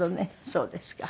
そうですか。